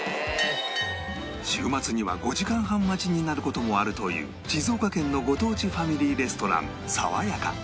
週末には５時間半待ちになる事もあるという静岡県のご当地ファミリーレストランさわやか